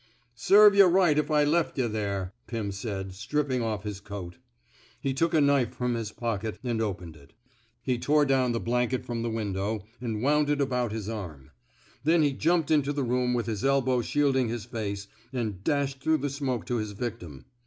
'* Serve yuh right if I left yuh there, '* Pim said, stripping off his coat. He took a knife from his pocket and opened it. He tore down the blanket from the win dow, and wound it about his arm. Then he 89 f THE SMOKE EATERS jumped into the room with his elbow shield ing his f ace^ and dashed through the smoke to his victim.